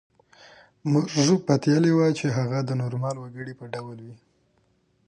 موږ پتېیلې وه چې هغه د نورمال وګړي په ډول وي